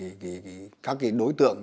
mà tự nhiên có thể đối tượng